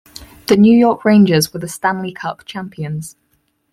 The New York Rangers were the Stanley Cup champions.